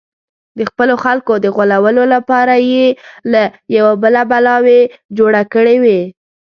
د خپلو خلکو د غولولو لپاره یې له یوه بله بلاوې جوړې کړې وې.